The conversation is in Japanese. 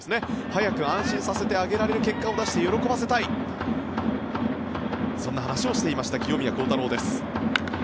早く安心させてあげられる結果を出して喜ばせたいそんな話をしていました清宮幸太郎です。